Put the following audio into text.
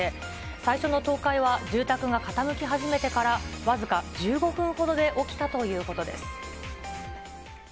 最初の倒壊は、住宅が傾き始めてから僅か１５分ほどで起きたということです。